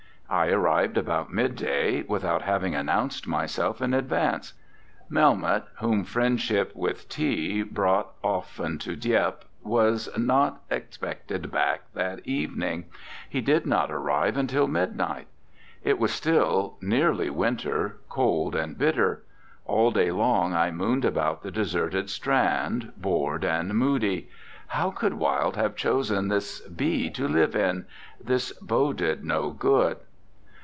I arrived about midday, without having announced myself in advance. Mel moth, whom friendship with T brought often to Dieppe, was not ex pected back that evening. He did not arrive until midnight. It was still nearly winter, cold and bitter. All day long I mooned about the deserted strand, bored and moody. How could Wilde have chosen this B to live in? This boded no good.